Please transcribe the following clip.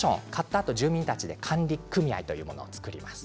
あと住民たちで管理組合を作ります。